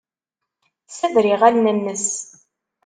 Tessader iɣallen-nnes.